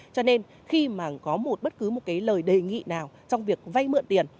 cho nên khi mà có một bất cứ một cái lời đề nghị nào trong việc vay mượn tiền